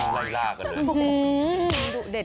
ลายล่ากันเลย